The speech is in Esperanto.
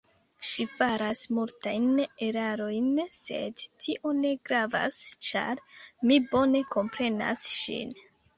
Ŝi faras multajn erarojn, sed tio ne gravas, ĉar mi bone komprenas ŝin.